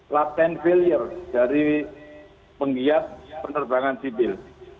latent failure dari penggiat penerbangan sipil